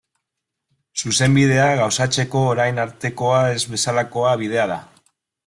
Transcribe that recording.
Zuzenbidea gauzatzeko orain artekoa ez bezalako bidea da.